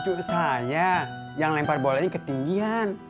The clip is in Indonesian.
cucu saya yang lempar bolanya ketinggian